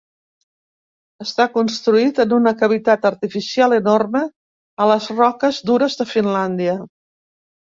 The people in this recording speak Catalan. Està construït en una cavitat artificial enorme a les roques dures de Finlàndia.